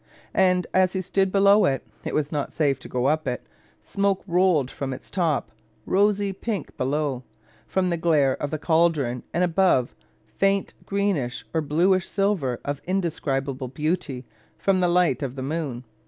And as he stood below it (it was not safe to go up it) smoke rolled up from its top, "rosy pink below," from the glare of the caldron, and above "faint greenish or blueish silver of indescribable beauty, from the light of the moon."